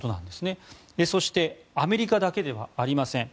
そしてアメリカだけではありません。